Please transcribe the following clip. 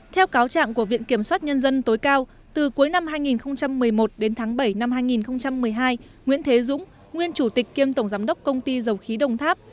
theo cáo trạng của viện kiểm soát nhân dân tối cao từ cuối năm hai nghìn một mươi một đến tháng bảy năm hai nghìn một mươi hai nguyễn thế dũng nguyên chủ tịch kiêm tổng giám đốc công ty dầu khí đồng tháp